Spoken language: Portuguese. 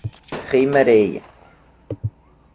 Rio Maria